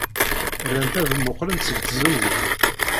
Rant ad mmuqqlent seg tzewwut.